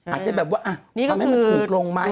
อาจจะแบบว่าทำให้มันถูกลงไหม